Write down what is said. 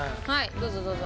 どうぞどうぞ。